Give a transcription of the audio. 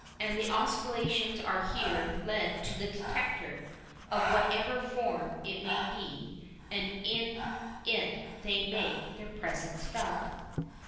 And the oscillations are here led to the detector, of whatever form it may be, and in it they make their presence felt.